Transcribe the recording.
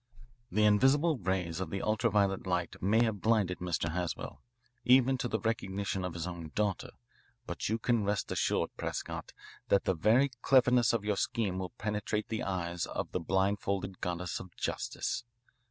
"The invisible rays of the ultra violet light may have blinded Mr. Haswell, even to the recognition of his own daughter, but you can rest assured, Prescott, that the very cleverness of your scheme will penetrate the eyes of the blindfolded goddess of justice.